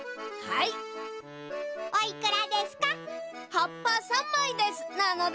はっぱ３まいですなのだ。